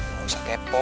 lo gak usah kepo